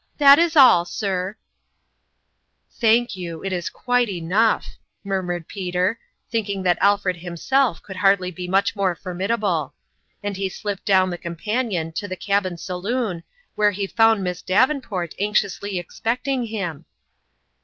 That is all, sir !"" Thank you it's quite enough !" mur mured Peter, thinking that Alfred himself could hardly be much more formidable ; and he slipped down the companion to the cabin saloon, where he found Miss Davenport anx iously expecting him.